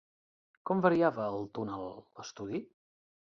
Com variava el túnel l'estudi?